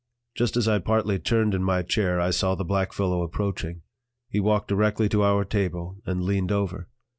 Just as I partly turned in my chair, I saw the black fellow approaching; he walked directly to our table and leaned over.